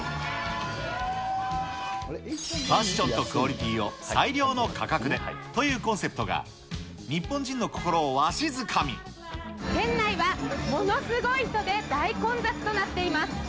ファッションとクオリティーを最良の価格でというコンセプトが、店内はものすごい人で大混雑となっています。